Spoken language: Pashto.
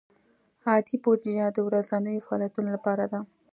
عادي بودیجه د ورځنیو فعالیتونو لپاره ده.